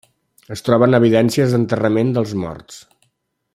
Es troben evidències d'enterrament dels morts.